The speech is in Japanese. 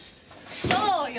そうよ！